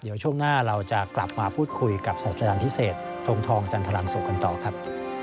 เดี๋ยวช่วงหน้าเราจะกลับมาพูดคุยกับสัจจารย์พิเศษทงทองจันทรังสุขกันต่อครับ